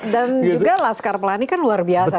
dan juga laskar pelani kan luar biasa